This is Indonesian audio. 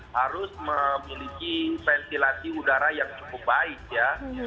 harus memiliki ventilasi udara yang cukup baik ya